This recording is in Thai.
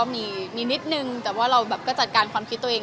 มีนิดนึงแต่จัดการความคิดตัวเอง